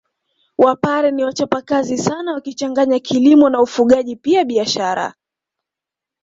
Wapare ni wachapakazi sana wakichanganya kilimo na ufugaji pia biashara